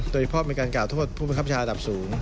โดยเฉพาะเป็นการกล่าวโทษผู้บังคับชาติระดับสูง